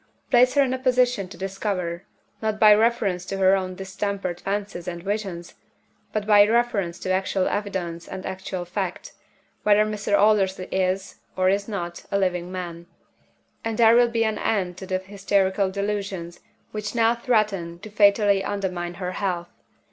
Place her in a position to discover not by reference to her own distempered fancies and visions, but by reference to actual evidence and actual fact whether Mr. Aldersley is, or is not, a living man; and there will be an end of the hysterical delusions which now threaten to fatally undermine her health.